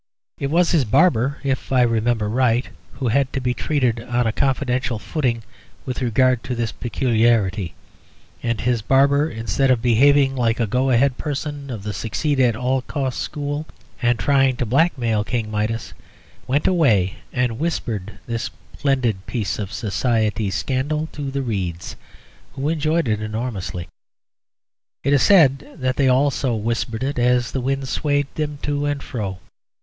It was his barber (if I remember right) who had to be treated on a confidential footing with regard to this peculiarity; and his barber, instead of behaving like a go ahead person of the Succeed at all costs school and trying to blackmail King Midas, went away and whispered this splendid piece of society scandal to the reeds, who enjoyed it enormously. It is said that they also whispered it as the winds swayed them to and fro.